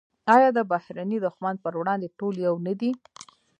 آیا د بهرني دښمن پر وړاندې ټول یو نه دي؟